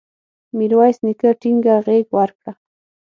میرویس نیکه ټینګه غېږ ورکړه.